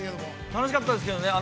◆楽しかったですけどね。